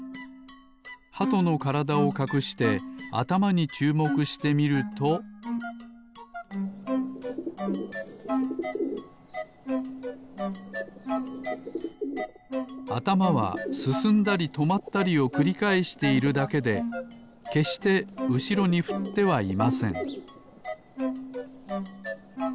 ハトのからだをかくしてあたまにちゅうもくしてみるとあたまはすすんだりとまったりをくりかえしているだけでけっしてうしろにふってはいません